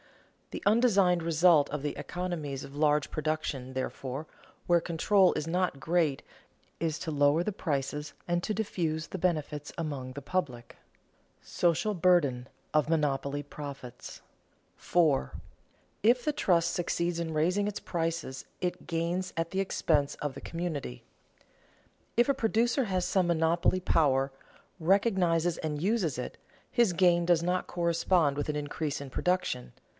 The undesigned result of the economies of large production, therefore, where control is not great, is to lower the prices and to diffuse the benefits among the public. [Sidenote: Social burden of monopoly profits] 4. If the trust succeeds in raising its prices it gains at the expense of the community. If a producer has some monopoly power, recognizes and uses it, his gain does not correspond with an increase in production.